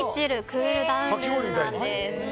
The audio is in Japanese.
クールダウンルームなんです。